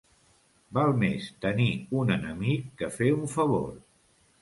Val més tenir un enemic que fer un favor.